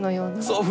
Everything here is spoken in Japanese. そう。